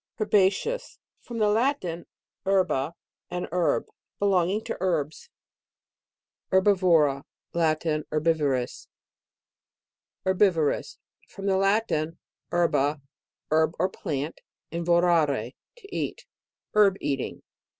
HERBACEOUS. From the Latin, herba, an herb. Belonging to herbs. 13 HERBIVORA. Latin. Herbivorous. HERBIVOROUS. From the Latin, her ba, herb or plant, and vorare to e it. Herb eating.